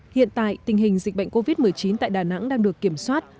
hiện tại tình hình dịch bệnh covid một mươi chín tại đà nẵng đang được kiểm soát